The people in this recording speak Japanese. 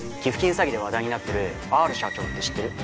詐欺で話題になってるＲ社長って知ってる？